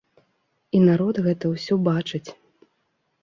І народ гэта ўсё бачыць.